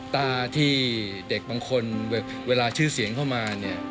ตาที่เด็กบางคนเวลาชื่อเสียงเข้ามาเนี่ย